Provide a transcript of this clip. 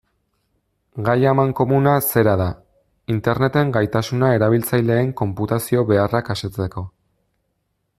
Gai amankomuna zera da: interneten gaitasuna erabiltzaileen konputazio beharrak asetzeko.